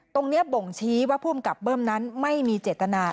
บ่งชี้ว่าภูมิกับเบิ้มนั้นไม่มีเจตนา